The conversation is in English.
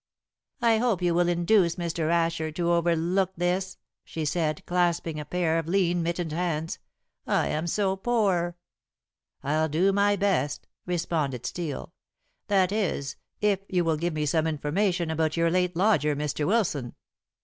"I hope you will induce Mr. Asher to overlook this," she said, clasping a pair of lean, mittened hands; "I am so poor." "I'll do my best," responded Steel; "that is, if you will give me some information about your late lodger, Mr. Wilson."